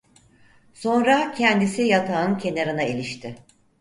Sonra kendisi yatağın kenarına ilişti.